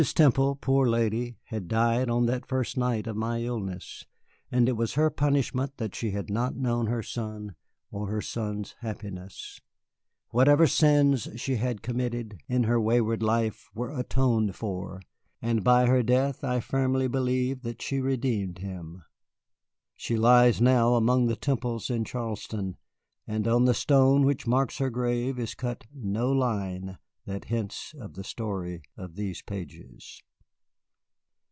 Temple, poor lady, had died on that first night of my illness, and it was her punishment that she had not known her son or her son's happiness. Whatever sins she had committed in her wayward life were atoned for, and by her death I firmly believe that she redeemed him. She lies now among the Temples in Charleston, and on the stone which marks her grave is cut no line that hints of the story of these pages.